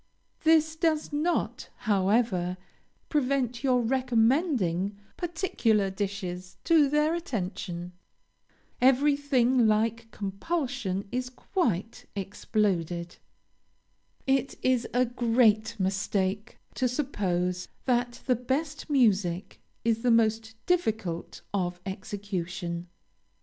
This does not, however, prevent your recommending particular dishes to their attention. Everything like compulsion is quite exploded. It is a great mistake to suppose that the best music is the most difficult of execution.